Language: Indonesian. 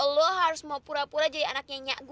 lo harus mau pura pura jadi anaknya nyak gue